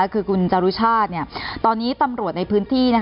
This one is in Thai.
คือคุณจรุชาติตอนนี้ตำรวจในพื้นที่